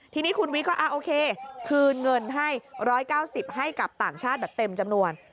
ทีนี้คุณวิทย์ก็โอเคคืนเงินให้๑๙๐ให้กับต่างชาติแบบเต็มจำนวน